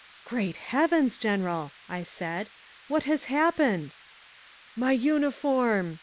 "Great Heavens! General," I said, "what has happened?" "My uniform!"